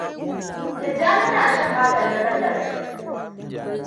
Tijjani na shan maganin rage raɗaɗi.